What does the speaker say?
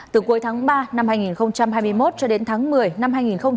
từ cuối tháng ba năm hai nghìn hai mươi một cho đến tháng một mươi năm hai nghìn hai mươi ba